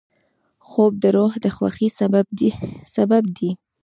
خوب د روح د خوښۍ سبب دی